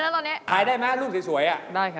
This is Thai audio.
ถ่ายได้มั้ยรูปสวยอ่ะ